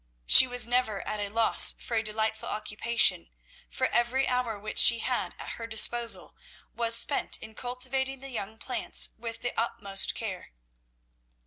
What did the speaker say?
She was never at a loss for a delightful occupation, for every hour which she had at her disposal was spent in cultivating the young plants with the utmost care.